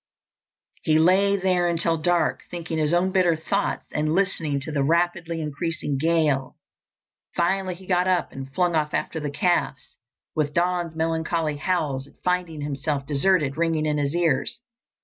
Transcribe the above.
He lay there until dark, thinking his own bitter thoughts and listening to the rapidly increasing gale. Finally he got up and flung off after the calves, with Don's melancholy howls at finding himself deserted ringing in his ears.